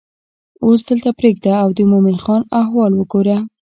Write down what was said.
اوس دلته پرېږده او د مومن خان احوال وګوره.